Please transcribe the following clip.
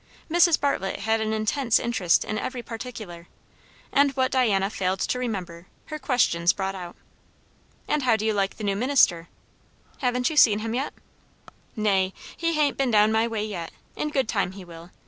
Mrs. Bartlett had an intense interest in every particular; and what Diana failed to remember, her questions brought out. "And how do you like the new minister?" "Haven't you seen him yet?" "Nay. He hain't been down my way yet. In good time he will.